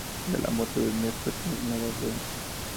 De la muerte de Nefertiti nada sabemos.